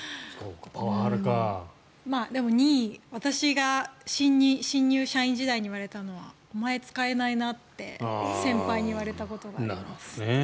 でも２位私が新入社員時代に言われたのはお前、使えないなって先輩に言われたことです。